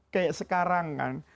kayak sekarang kan